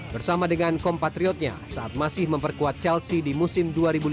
bersama dengan kompatriotnya saat masih memperkuat chelsea di musim dua ribu lima belas